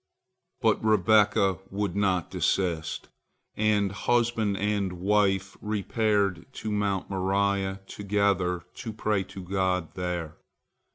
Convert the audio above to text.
But Rebekah would not desist, and husband and wife repaired to Mount Moriah together to pray to God there.